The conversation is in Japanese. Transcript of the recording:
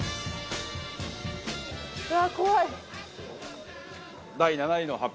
うわあ怖い。